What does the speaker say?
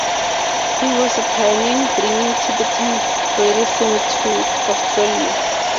He was a pioneer in bringing Tibetan Buddhism to Australia.